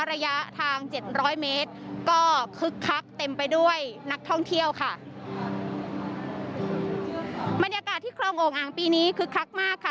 ระยะทางเจ็ดร้อยเมตรก็คึกคักเต็มไปด้วยนักท่องเที่ยวค่ะบรรยากาศที่คลองโอ่งอ่างปีนี้คึกคักมากค่ะ